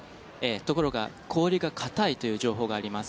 ところが氷が硬いという情報があります。